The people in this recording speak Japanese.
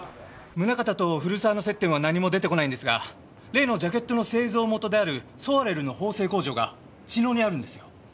宗形と古沢の接点は何も出てこないんですが例のジャケットの製造元であるソワレルの縫製工場が茅野にあるんですよ。